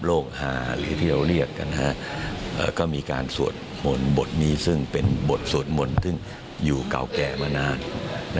ฮาหรือที่เราเรียกกันก็มีการสวดมนต์บทนี้ซึ่งเป็นบทสวดมนต์ซึ่งอยู่เก่าแก่มานาน